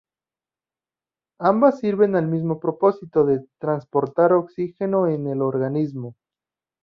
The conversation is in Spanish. Ambas sirven al mismo propósito de transportar oxígeno en el organismo.